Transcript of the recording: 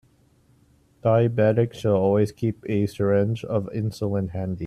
Diabetics should always keep a syringe of insulin handy.